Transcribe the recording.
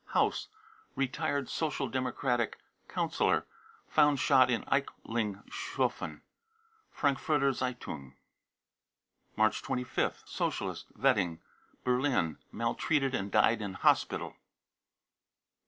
haus, retired Social Democratic councillor, found shot in Eichlingshofen. {Frankfurter March 25th. socialist, Wedding, Berlin, maltreated and died in hospital.